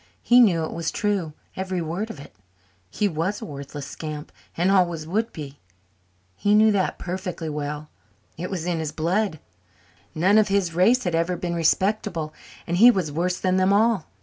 He knew it was true, every word of it. He was a worthless scamp and always would be. He knew that perfectly well. It was in his blood. None of his race had ever been respectable and he was worse than them all.